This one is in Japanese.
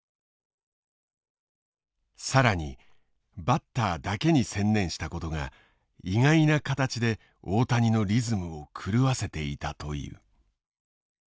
更にバッターだけに専念したことが意外な形で大谷のリズムを狂わせていたという。